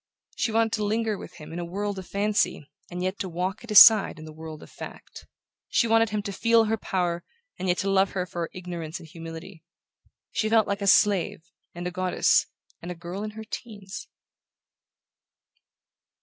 She wanted to linger with him in a world of fancy and yet to walk at his side in the world of fact. She wanted him to feel her power and yet to love her for her ignorance and humility. She felt like a slave, and a goddess, and a girl in her teens...